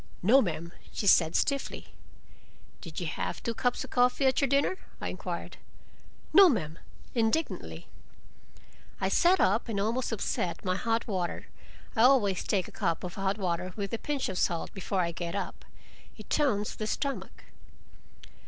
"No, ma'm," she said stiffly. "Did you have two cups of coffee at your dinner?" I inquired. "No, ma'm," indignantly. I sat up and almost upset my hot water—I always take a cup of hot water with a pinch of salt, before I get up. It tones the stomach.